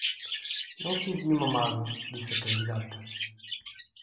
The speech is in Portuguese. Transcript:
Não sinto nenhuma mágoa, disse a candidata